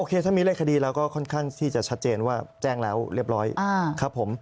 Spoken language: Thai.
ถ้ามีเลขคดีเราก็ค่อนข้างที่จะชัดเจนว่าแจ้งแล้วเรียบร้อยครับผม